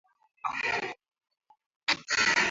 Mu mpango muko ba imbwa ba makali